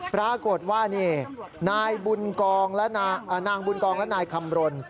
ปรากฏว่านี่นายบุญกองและนางบุญกองและนายคำรณ